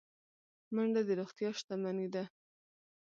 منډه د روغتیا شتمني ده